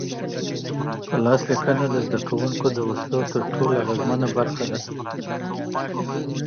په لاس لیکلنه د زده کوونکو د وسلو تر ټولو اغیزمنه برخه ده.